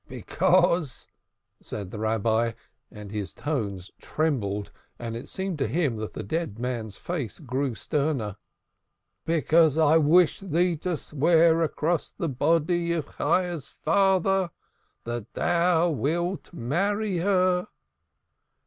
"Because," said the Rabbi, and his tones trembled, and it seemed to him that the dead man's face grew sterner. "Because I wish thee to swear across the body of Chayah's father that thou wilt marry her."